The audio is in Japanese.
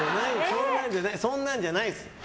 そんなんじゃないです！